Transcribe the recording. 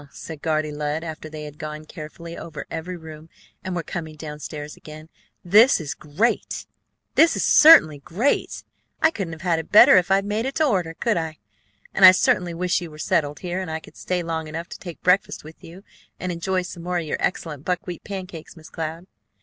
said Guardy Lud after they had gone carefully over every room and were coming down stairs again. "This is great! This certainly is great. I couldn't have had it better if I'd made it to order, could I? And I certainly wish you were settled here, and I could stay long enough to take breakfast with you and enjoy some more of your excellent buckwheat cakes, Miss Cloud."